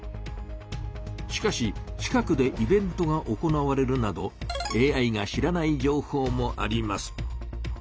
しかし近くでイベントが行われるなどＡＩが知らない情報もあります。